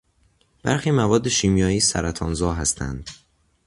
برخی مواد شیمیایی سرطانزا هستند.